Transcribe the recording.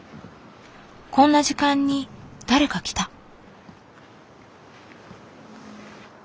こんな時間に誰か来た。